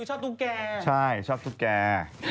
ชอบตุ๊กแกใช่ชอบตุ๊กแก่